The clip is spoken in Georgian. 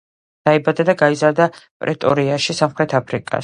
დაიბადა და გაიზარდა პრეტორიაში, სამხრეთ აფრიკაში.